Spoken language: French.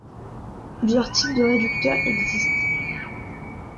Plusieurs types de réducteurs existent.